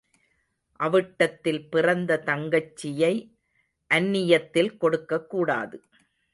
அவிட்டத்தில் பிறந்த தங்கச்சியை அந்நியத்தில் கொடுக்கக் கூடாது.